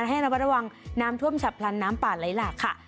ให้ระวัดระวังน้ำท่วมฉับพลันน้ำป่าไหลหลากค่ะ